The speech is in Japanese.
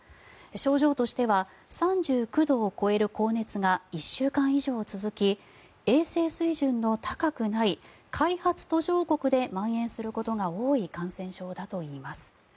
症状としては３９度を超える高熱が１週間以上続き衛生水準の高くない開発途上国でまん延することが多い感染症だといいます。